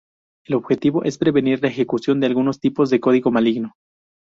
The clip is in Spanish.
El objetivo es prevenir la ejecución de algunos tipos de código maligno.